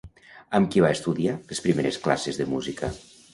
Amb qui va estudiar les primeres classes de música?